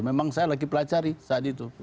memang saya lagi pelajari saat itu